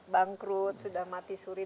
bangkrut sudah mati suri